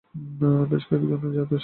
বেশ কয়েক জাতের শসা রয়েছে।